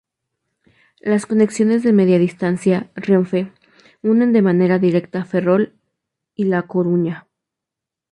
Las conexiones de Media Distancia Renfe unen de manera directa Ferrol y La Coruña.